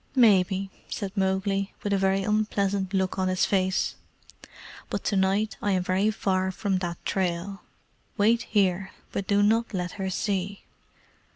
"Maybe," said Mowgli, with a very unpleasant look on his face; "but to night I am very far from that trail. Wait here, but do not let her see."